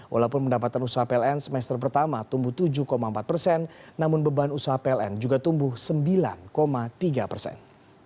walaupun pendapatan usaha pln semester pertama tumbuh tujuh empat persen namun beban usaha pln juga tumbuh sembilan tiga persen